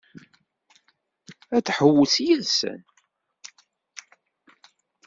Ad tḥewwes yid-sen?